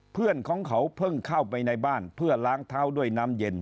เพื่อนของเขาเพิ่งเข้าไปในบ้านเพื่อล้างเท้าด้วยน้ำเย็น